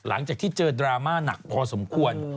หลังจากที่เจอดราม่าหนักพอสมควร